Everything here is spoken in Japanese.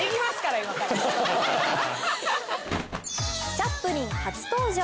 チャップリン初登場。